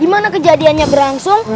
dimana kejadiannya berlangsung